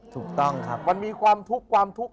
ถูกต้องครับมันมีความทุกข์ความทุกข์